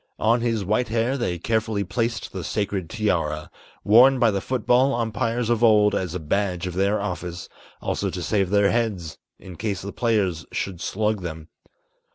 On his white hair they carefully placed the sacred tiara, Worn by the foot ball umpires of old as a badge of their office, Also to save their heads, in case the players should slug them.